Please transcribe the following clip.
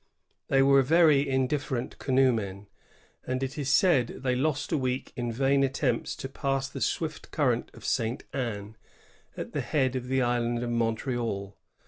They were very indifferent canoe men ; and it is said that they lost a week in yain attempts to pass the swift current of St. Anne, at the head of the island of Montreal.